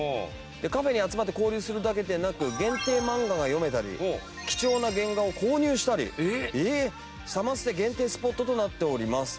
カフェに集まって交流するだけでなく限定マンガが読めたり貴重な原画を購入したりサマステ限定スポットとなっております。